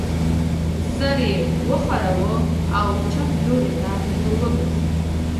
سر یې و ښوراوه او چپ لوري ته ور وګرځېد.